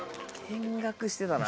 見学してたな。